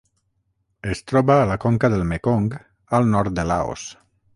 Es troba a la conca del Mekong al nord de Laos.